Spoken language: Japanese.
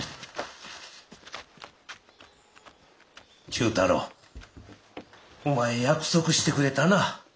忠太郎お前約束してくれたな